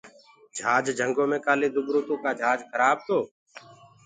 جھاج جھنٚگو مي ڪآلي دُبرو تو ڪآ جھاج کرآب تو